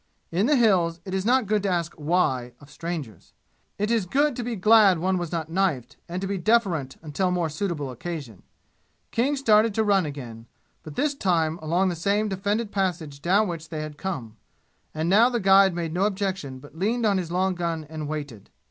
In the "Hills" it is not good to ask "why" of strangers. It is good to be glad one was not knifed, and to be deferent until more suitable occasion. King started to run again, but this time along the same defended passage down which they had come. And now the guide made no objection but leaned on his long gun and waited.